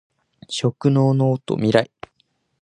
食と農のミライ